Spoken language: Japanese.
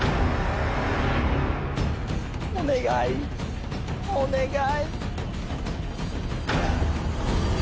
お願いお願い。